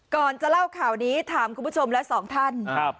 ก่อนจะเล่าข่าวนี้ถามคุณผู้ชมและสองท่านครับ